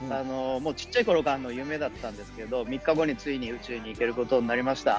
ちっちゃいころからの夢だったんですけど、３日後についに宇宙に行けることになりました。